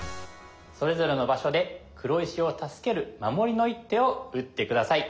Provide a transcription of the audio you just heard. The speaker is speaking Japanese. それぞれの場所で黒石を助ける守りの一手を打って下さい。